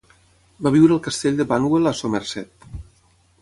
Va viure al castell de Banwell, a Somerset.